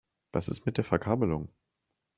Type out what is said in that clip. Was ist mit der Verkabelung?